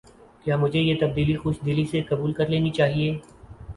کیا مجھے یہ تبدیلی خوش دلی سے قبول کر لینی چاہیے؟